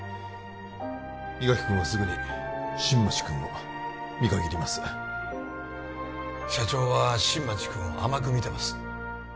伊垣君はすぐに新町君を見限ります社長は新町君を甘く見てます